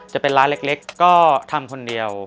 จะเป็นร้านเล็กก็ทำคนเดียว